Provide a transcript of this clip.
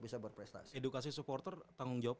bisa berprestasi edukasi supporter tanggung jawab